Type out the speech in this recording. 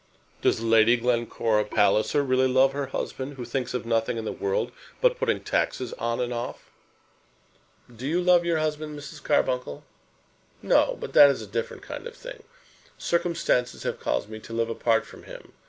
Does Lady Glencora Palliser really love her husband, who thinks of nothing in the world but putting taxes on and off?" "Do you love your husband, Mrs. Carbuncle?" "No; but that is a different kind of thing. Circumstances have caused me to live apart from him.